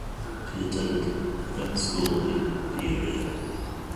He attended school in the area.